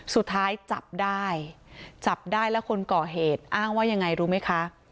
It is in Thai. สุดท้ายจับได้จับได้แล้วคนก่อเหตุอ้างว่ายังไงรู้ไหมคะ